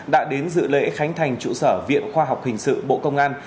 đã đến dự lễ khánh thành trụ sở viện khoa học hình sự bộ công an